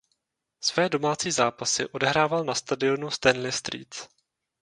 Své domácí zápasy odehrával na stadionu Stanley Street.